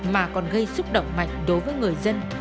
mà còn gây xúc động mạnh đối với người dân